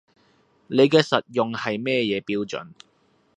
你嘅實用係乜嘢標準